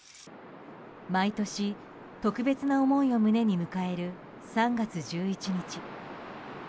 毎年、特別な思いを胸に迎える３月１１日。